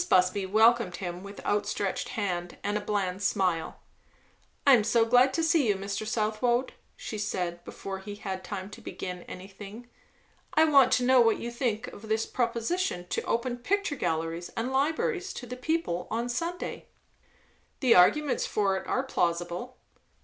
Busby welcomed him with outstretched hand and a bland smile. "I am so glad to see you, Mr. Southwode," she said, before he had time to begin anything. "I want to know what you think of this proposition to open picture galleries and libraries to the people on Sunday?" "The arguments for it are plausible."